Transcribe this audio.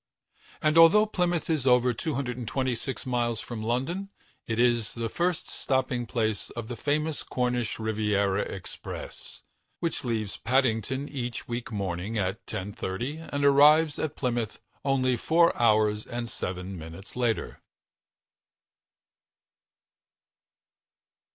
And although Plymouth is over 226 miles from London, it is the first stopping place of the famous Cornish Riviera Express, which leaves Paddington each week morning at 10.30 and arrives at Plymouth only four hours and seven minutes later.